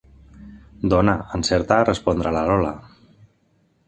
Dona, encerta a respondre la Lola.